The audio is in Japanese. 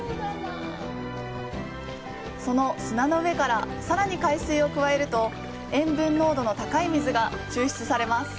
その砂の上からさらに海水を加えると塩分濃度の高い水が抽出されます。